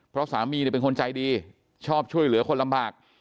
เพราะสามีเป็นคนใจดีชอบช่วยเหลือคนลำบาก